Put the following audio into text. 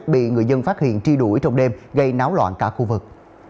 bị người dân phát hiện tri đuổi trong đêm gây náo loạn cả khu vực